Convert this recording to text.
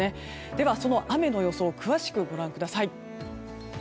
では、雨の予想を詳しくご覧ください。